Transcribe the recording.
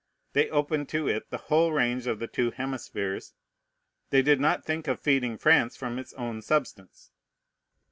They opened to it the whole range of the two hemispheres. They did not think of feeding France from its own substance.